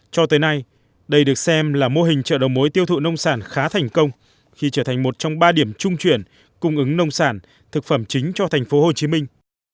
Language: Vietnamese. cho tới nay đây được xem là mô hình chợ đầu mối tiêu thụ nông sản khá thành công khi trở thành một trong ba điểm trung chuyển cung ứng nông sản thực phẩm chính cho thành phố hồ chí minh